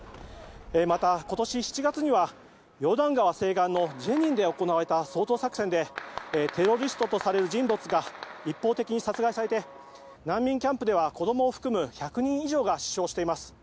また、今年７月にはヨルダン川西岸のジェニンで行われた掃討作戦でテロリストとされる人物が一方的に殺害されて難民キャンプでは子供を含む１００人以上が死傷しています。